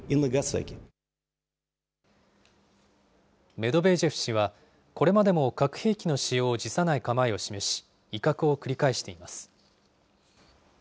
メドベージェフ氏はこれまでも核兵器の使用を辞さない構えを示し、威嚇を繰り返しています。